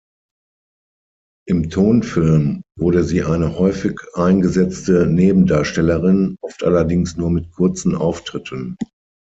Im Tonfilm wurde sie eine häufig eingesetzte Nebendarstellerin, oft allerdings nur mit kurzen Auftritten.